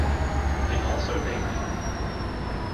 They also named it.